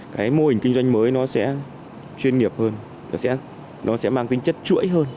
cái mô hình kinh doanh mới nó sẽ chuyên nghiệp hơn nó sẽ mang tính chất chuỗi hơn